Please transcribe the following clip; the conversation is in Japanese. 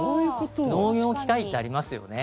農業機械ってありますよね。